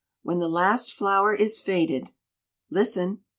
When the last flower is faded listen!